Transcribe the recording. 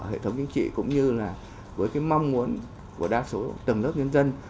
hệ thống chính trị cũng như là với cái mong muốn của đa số tầng lớp nhân dân